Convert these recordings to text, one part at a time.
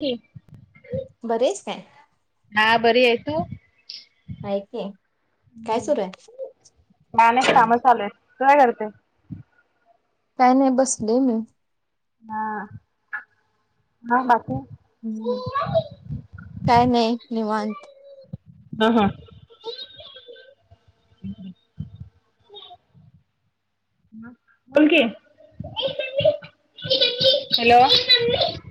की बरी हाईस काय. हा बरी आहे तु हाय की काय सुरू हाय [unintelligible] कामं चालू हायत तू काय करते काय नाय बसलेय मी. हा मग बाकी हम्म काय नाही निवांत. न हा हम्म बोल कि ए मम्मी ए मम्मी हॅलो ए मम्मी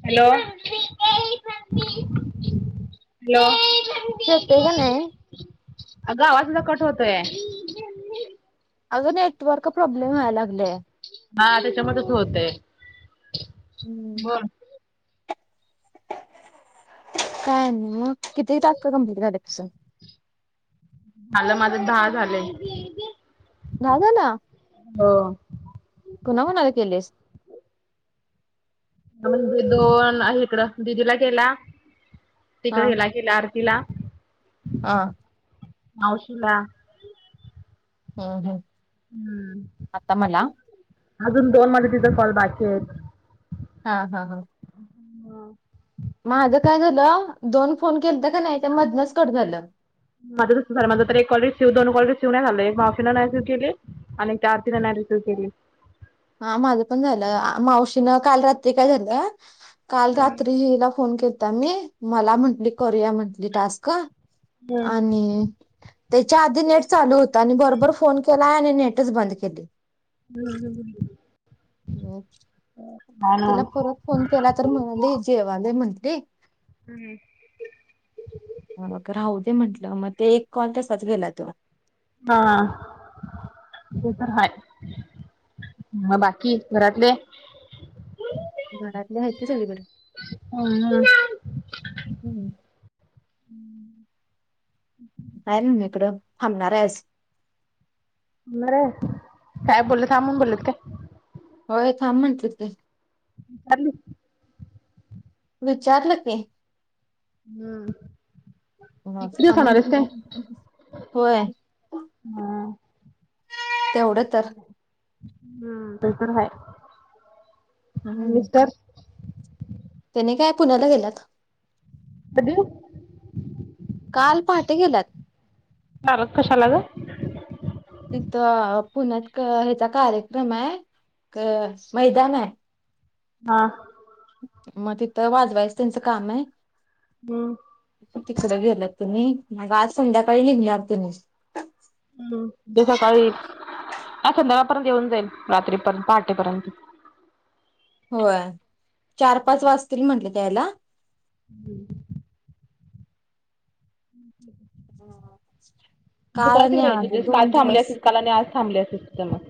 हॅलो ए मम्मी ए मम्मी हॅलो ए मम् ठेवतोय का नाय अगं आवाज तुझा कट होतोय. अगं नेटवर्क प्रॉब्लेम व्हाया लागलंय. हा त्याच्यामुळ तसं होतंय हम्म बर काय आणि मग किती टास्क कम्प्लीट झालेत तुझं मला माझं दहा झालंय. झालं ना. हो. कुणाकुणाला केलीस? म्हणजे दोन आहे इकडं, दिदीला केला. हा तिकडे हिला केला आरतीला. हा. मावशीला. हम्म हम्म, हम्म आता मला? अजून दोन माझं तिच कॉल बाकी आहेत. हा हा हा. हा. माझं काय झालं, दोन फोन केलतं का नाही, ते मधनच कट झालं. माझं तसं झालं, माझ तर एक कॉल रिसव दोन कॉल रिसव नाही झाले. मावशीने नाही रिसिव केली. अणि त्या आरतीन नाय रिसिव्ह केली. ह माझं पण झालं, मावशीनं काल रात्री काय झालं- काल रात्रीला हिला फोन केलता मी, मला म्हटली करू या म्हटली टास्क. आणि- त्याच्या आधी नेट चालू होता आणि बरोबर फोन केलाय आणि नेटच बंद केली. हम्म हम्म हम् हम् हा ना तिला परत फोन केला तर म्हणाली जेवाले म्हणते. हम्म. मग आता राहू दे म्हंटलं, मग ते एक कॉल तसाच गेला तो. हा. ते पण हाय. म बाकी घरातले? घरातले आहेत की सगळी बरी. हम्म हम्म. काय म्हणून इकडं थांबणार आहेस. नाय. काय बोललत थांब म्हणून बोललत काय? होय थांब म्हटलेत ते. चालली विचारलं की. हम्म. तुम्हास एकटी दिवस थांब होणार आहेस काय? म्हटली? होय. तेवढं तर हम् ते पण हाय. मिस्टर? त्यांनी काय पुण्याला गेल्यात. कधी व? काल पहाटे गेल्यात. मारत कशाला ग? तिथं पुण्यात क ह्याचा कार्यक्रम आहे, क मैदान आहे. हा. मग तिथं वाजवायचं त्यांचं काम आहे. हम् तिकड गेलात तुम्ही, मग आज संध्याकाळी निघणार तुम्ही. हम् सकाळी ह संध्याळपर्यंत येऊन जाईल रात्रीपर्यंत पहाटेपर्यंत. होय, चार पाच वाजतील म्हटलेत यायला. हम्म [inaudible] तु काल आणि तिकडं यायची आज हुतीस,, काल दोन थांबले दिवस असतीस काल आणि आज थांबले असतीस तीथं मग.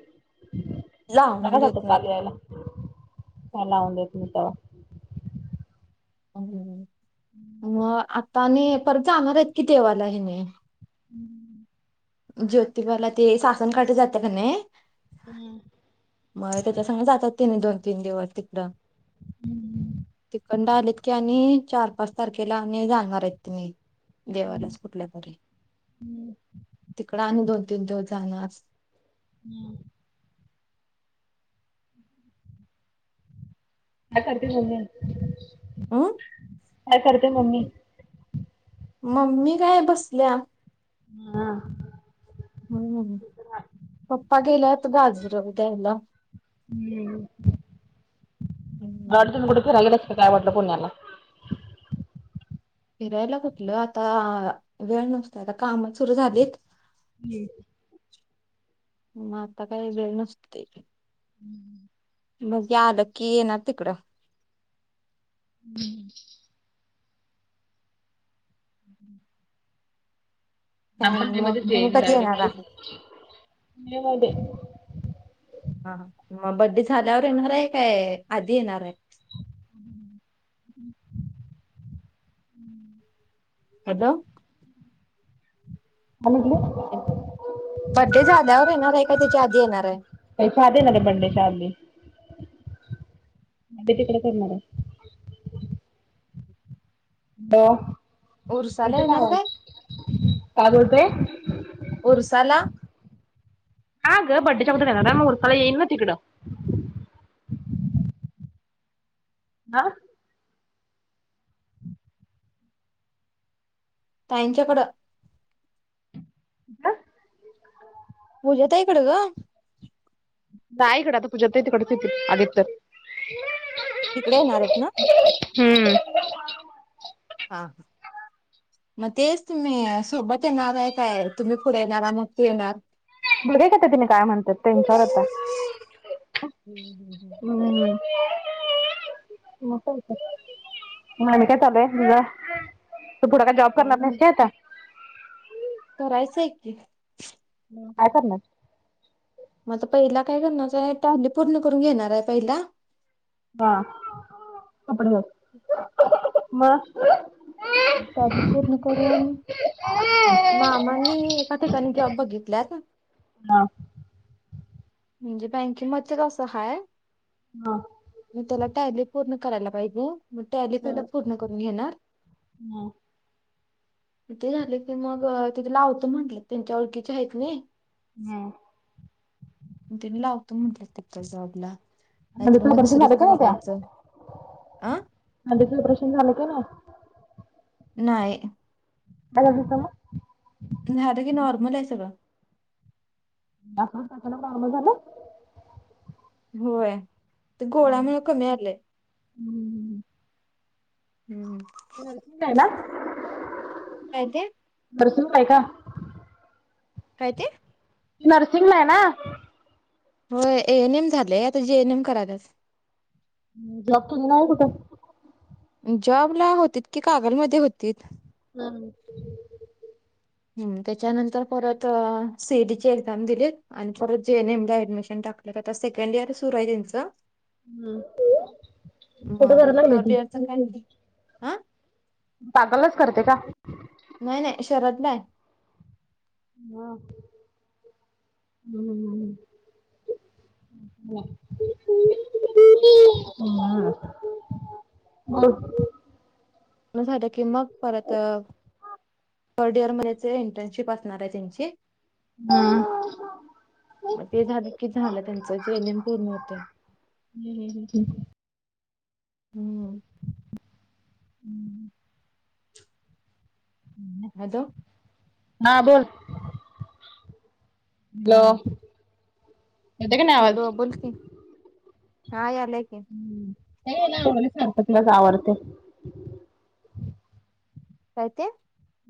लावून काय देत झालतं नाहीत. काल यायला,, काय लाऊन देत नाहीत तवा. मग आता आणी, परत जाणार आहेत कि देवाला ह्यनी. [inaudible] ज्योतिबाला ते सासन काटी जात्या क नाई प [inaudible] मग त्याच्या सांग जात्यात तनी दोन तीन दिवस तिकडं,, तिकंड आलीत.. की आणि चार पाच तारखेला आणि, जाणार आहेत तनी, देवालाच कुठल्या तरी. [inaudible] तिकडं आणि दोन तीन दिवस जाणं असं. हम्म काय करतीस ऊने अं काय करते मम्मी. मम्मी काय बसल्या. हां. हम्म,, पप्पा गेल्यात गाजरग द्यायला. हम्म, हम्म. वाटलं तुम्ही कुठं फिराय गेलाय का काय वाटलं पुण्याला. फिरायला कुठलं, आता वेळ नसतोय आता कामं सुरू झालीत. हम्म. आता काय वेळ नसतूय. हम्म. बगुया आलं की येनार तिकडं. हम्म. हम्म आता काय आणि बड्डे मग मध्येच तुम्ही एईन कधी येणार डायरेक्ट, आहात मे मध्ये. हा हा, म बर्थडे झाल्यावर येणार आय काय,, आधी येणार हाय? हम्म हम्म. हम्म हॅलो! हा निघली बर्थडे झाल्यावर येणार हाय का त्यच्या आधी येणार हाय? तेच्या आधी येणार रे बर्थडे च्या आधी,, बड्डे तिकड करणाराय. हॅलो,, उरसाला येते का येणार आवाज, काय काय जेवते? उरसाला? हागं बर्थडे च्या आगोदर एनार आय मग ऊरसाला येईन ना तिकडं. हा ताईच्याकडं ह पूज्या ताई कडं ग. नाही ईकडं आता पूजा ताई तिकडचं एतील,, आलीत तर तिकडे येणार आहेत ना. हम्म इकडे थांब ना हा. मग तेच तुम्ही सोबत येणार आहे काय, तुम्ही पुढे येणार मग ते येणार. बघुया की आता तेंही काय म्हणतात, त्यांच्यावर आता. हम्म हम्म हम्म. हमम मग काय होतंय, मग आणि काय चालू आहे तुझं? तू पुढं काय जॉब करणार नाहीस काय आता. करायचंय की. मग काय करणार? मआता पहिला काय करणारच आहे, [inaudible] आधी पूर्ण करून घेणार आहे पहिला, हा कपडे [inaudible] [inaudible] आधी पूर्ण करून मामानी एका ठिकाणी जॉब बघितल्यात, हाव म्हणजे बँकिंग मध्ये कसं हाय. हाव मी त्याला टेली पूर्ण करायला पाहिजे. टेली पाहिला पूर्ण करून घेणार, हम्म. त ते झाले क मग तिथे लावत म्हटलं, त्यांच्या ओळखीचे आहेत नई. हम्म म तिन्ही लावतो म्हटलं तिथं जॉबला. नाही तर नंदूचं मग ऑपरेशन झालं का दुसरीकडे नाही त्या? बघायचं. अं [inaudible] झालं का नाय. नाही [unintelligible] झाल की नॉर्मल हाय सगळं. [unintelligible] होय, ते गोळ्यांमुळे कमी आलेय. हम्म हम्म आहे ना. काय तेे? [unintelligible] काय ते? नर्सिंग ला आहे ना. हो ए एनएम झालेय, आता जेएनएम करालास. जॉब केली नाही कुठे? जॉब ला होती की, कागलमध्ये होतीत. हम् ह्म त्याच्यानंतर परत सी ई टी ची एक्झाम दिली आणि परत जेएनएम ऍडमिशन टाकलं सेकंड इयर सुर आहे त्यांचं, हम्म कुठं मग कराय लागल्या ती. [unintelligible] कागलाच करते का? नाही नाही शरदला हाय. हा हम्म [unintelligible] हो. मग झालं की मग परत थर्ड इयर मध्ये इंटर्नशिप असणार आहे त्यांची. हां हां मग ते झालं की झालं त्यांच जे एनएम पूर्ण होते. हम् ह हम [inaudible] हम्म हम्म हम्म हॅलो! हा बोल. हा हॅलो! यता का नाही आवाज‌. बोलकी, हा यायला की. सख तुलाच आवडते [inaudible] काय ते.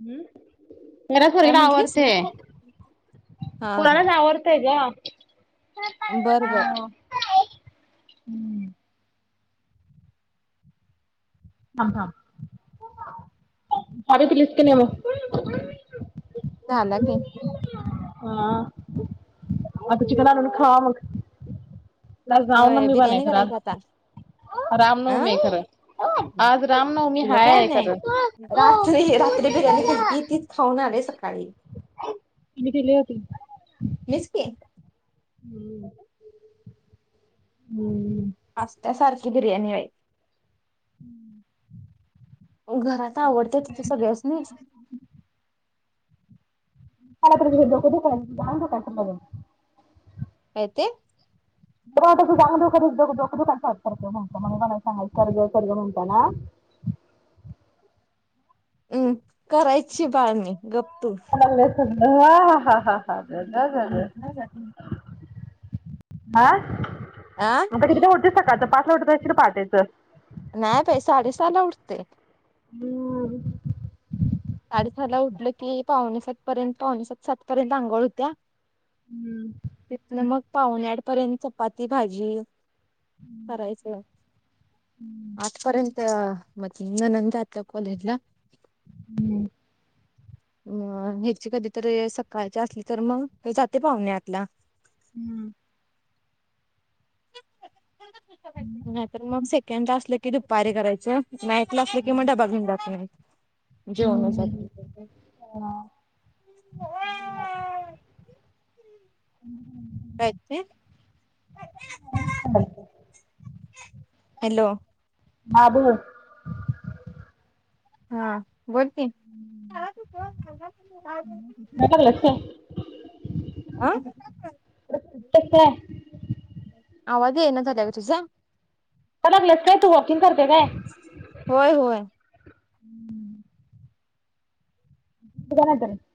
हम्म मला काय सर्गीला म्हंटलीस आवडतेय हा कणालाच आवडतेय ग [inaudible] बरं बर ह ह प लसक नव [inaudible] झाला की. हा आता चिकन आनून खा मग, आज होय रामवनमी पण आहे बिर्याणी खरं करायची आता आज, रामनवमी अं आहे खरं! हो आज रामनवमी तुझं हाय काय आहे नाही खर! रात्री रात्री बिर्याणी केलती तीच खाऊन आले सकाळी! !.. ती दिली होती. मिच की. हम्म! हम्म [unintelligible] आसत्या सारखी बिर्याणी बाई! हम्म! ! घरात आवडत तिथे सगळ्यासनी. [inaudible] काय ते? तुमाला तस चांग दुखो दुखात म्हणत म्हणे मला साय सर्ज सर् म्हणता ना! [inaudible] हम्म करायची बाळणी गप्प तू! [unintelligible] हा हा हा हा हा बग [unintelligible] गग! आ! ! आं!... आता कितिला उटतीस सकाळच पांचला उठात आशिल पाहाटेच. नाही बाई साडेसहाला उठतोय. हम्म. साडेसाला ला उठलं की पावणेसात पर्यंत पावणेसात सात पर्यंत आघोळ होत्या. तिथन मग पावणे आठ पर्यंत चपाती भाजी. करायचं आठपर्यंत. मदली ननंद जात्या कॉलेज ला? हूं! मं ह्यांची कधीतरी सकाळच्या असली तर मंग हे जाते पावणे आटला. हूं! नाही तर मग सेकंड असलं की, दुपारी करायचं? नाईट ला असलं की, मं डबा घेऊन जात नाही जेवून जात. [unintelligible] काय ते [unintelligible] हॅलो! हां बोल! हा बोल की काय लागलंस [unintelligible] [unintelligible] त काय? आवाज येईना झालाय ग तुझा! [unintelligible] काय तू वॉकिंग करते काय? होय, होय! कोणालतरी!